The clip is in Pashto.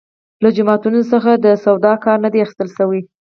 له جوماتونو څخه د سواد کار نه دی اخیستل شوی.